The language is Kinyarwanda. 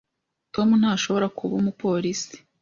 Tom ntazashobora kuba umupolisi